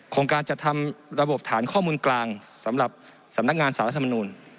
ของการจัดทำระบบฐานข้อมูลกลางสำหรับสำนักงานสารรัฐมนูล